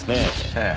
ええ。